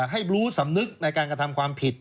ให้รู้สำนึกในการกระทำความผิด